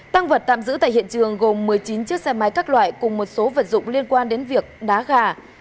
tăng vật tạm giữ tại hiện trường gồm một mươi chín chiếc xe máy các loại cùng một số vật dụng liên quan đến việc đá gà